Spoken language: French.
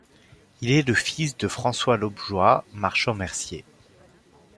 Il est le fils de François Lobjoy, marchand mercier.